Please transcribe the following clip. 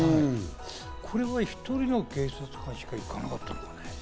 これは１人の警察官しか行かなかったんだね。